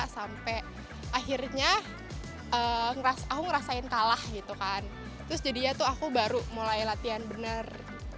sampai akhirnya aku ngerasain kalah gitu kan terus jadinya tuh aku baru mulai latihan bener